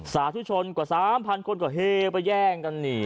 สาธุชนกว่า๓๐๐คนก็เฮไปแย่งกันนี่